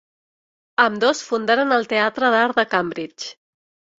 Ambdós fundaren el Teatre d'Art de Cambridge.